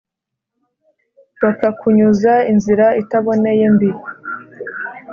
bakakunyuza inzira itaboneye mbi